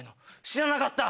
知らなかった！